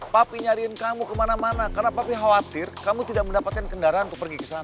papi nyariin kamu kemana mana karena papi khawatir kamu tidak mendapatkan kendaraan untuk pergi ke sana